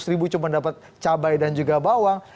seratus ribu cuma dapat cabai dan juga bawang